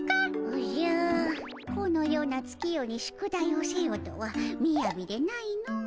おじゃこのような月夜に宿題をせよとはみやびでないのう。